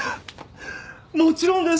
もちろんです！